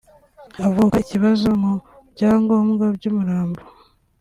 havuka ikibazo mu byangombwa by’umurambo